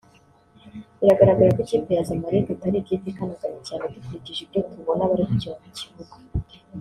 Bigaragara ko ikipe ya Zamalek atari ikipe ikanaganye cyane dukurikije ibyo twbona bari gukina mu kibuga